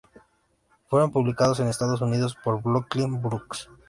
Fueron publicados en Estados Unidos por Broccoli-Books.